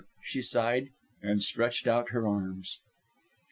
she sighed and stretched out her arms.